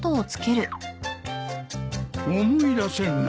思い出せんな。